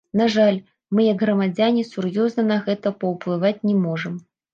На жаль, мы як грамадзяне, сур'ёзна на гэта паўплываць не можам.